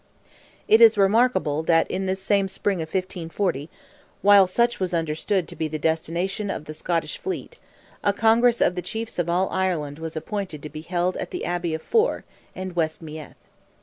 It is remarkable that in this same spring of 1540—while such was understood to be the destination of the Scottish fleet—a congress of the Chiefs of all Ireland was appointed to be held at the Abbey of Fore, in West Meath.